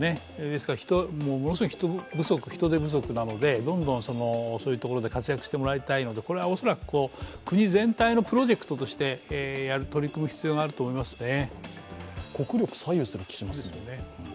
ですからものすごく人手不足なので、どんどんそういうところで活躍してもらいたいのでこれは恐らく国全体のプロジェクトとして取り組む必要があると思いますね。